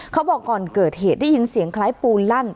เขาบอกก่อนเกิดเหตุได้ยินเสียงคล้ายปูนลั่น